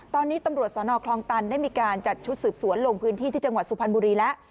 ตอนนี้ตำรวจสนคลองตันได้มีการจัดชุดสืบสวนลงพื้นที่ที่จังหวัดสุพรรณบุรีแล้ว